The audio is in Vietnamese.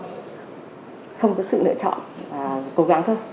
không có sự lựa chọn cố gắng thôi